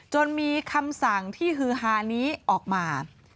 มีคำสั่งที่ฮือฮานี้ออกมา